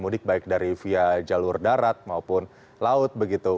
mudik baik dari via jalur darat maupun laut begitu